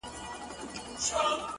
د ځان وژني د رسۍ خریدارۍ ته ولاړم’